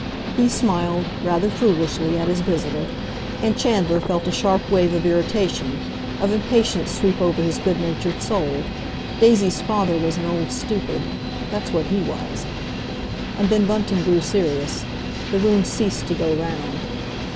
He smiled, rather foolishly, at his visitor; and Chandler felt a sharp wave of irritation, of impatience sweep over his good natured soul. Daisy's father was an old stupid—that's what he was. And then Bunting grew serious. The room ceased to go round.